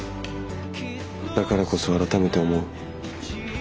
だからこそ改めて思う。